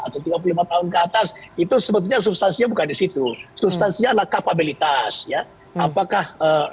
atau tiga puluh lima tahun ke atas itu sebetulnya substansi bukan disitu substansi ala kapabilitas ya apakah